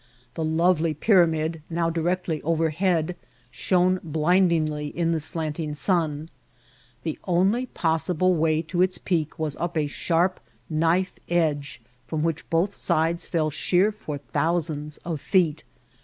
The lovely pyramid, now directly overhead, shone blindingly in the slant ing sun. The only possible way to its peak was up a sharp knife edge, from which both sides fell sheer for thousands of feet.